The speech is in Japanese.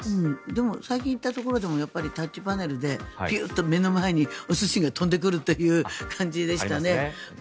でも最近行ったところでもタッチパネルでピューッと目の前にお寿司が飛んでくる感じでしたね。